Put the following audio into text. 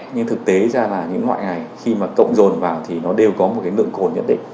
nhưng thực tế ra là những mọi ngày khi mà cộng dồn vào thì nó đều có một cái lượng cồn nhất định